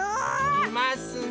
いますね。